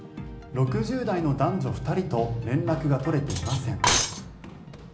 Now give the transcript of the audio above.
６０代の男女２人と連絡が取れていません。